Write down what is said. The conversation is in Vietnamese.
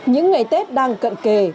những ngày tết đang cận kề